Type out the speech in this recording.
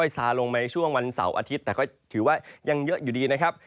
ซาลงในช่วงวันเสาร์อาทิตย์แต่ก็ถือว่ายังเยอะอยู่ดีนะครับ